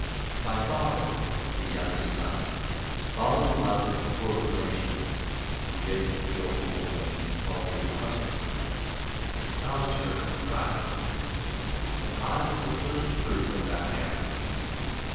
My father (his youngest son) falling in love with a poor relation, who lived with the old gentleman in quality of a housekeeper, espoused her privately; and I was the first fruit of that marriage.